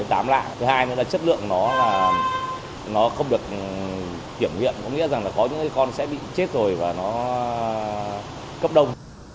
thứ hai nữa là chất lượng nó không được kiểm nghiệm có nghĩa là có những con sẽ bị chết rồi và nó cấp đông